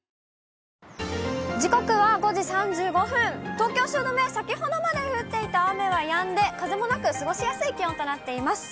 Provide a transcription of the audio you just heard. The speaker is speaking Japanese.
東京・汐留は先ほどまで降っていた雨はやんで、風もなく、過ごしやすい気温となっています。